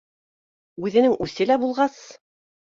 Үҙенең үсе лә булғас